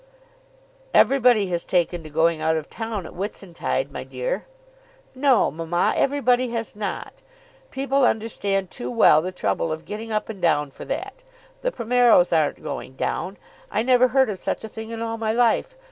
"Everybody has taken to going out of town at Whitsuntide, my dear." "No, mamma; everybody has not. People understand too well the trouble of getting up and down for that. The Primeros aren't going down. I never heard of such a thing in all my life.